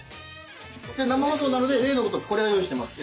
生放送なので例のごとくこれを用意してます。